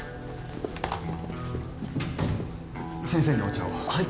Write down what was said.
先生にお茶をはい